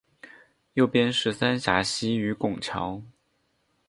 右边是三峡溪与拱桥